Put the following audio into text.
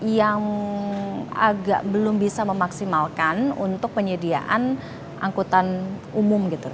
yang agak belum bisa memaksimalkan untuk penyediaan angkutan umum gitu